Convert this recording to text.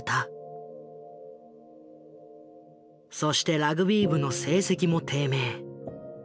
そしてラグビー部の成績も低迷。